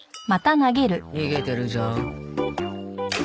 逃げてるじゃん。